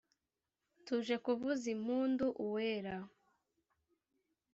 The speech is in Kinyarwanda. tuje kuvuza impundu uwera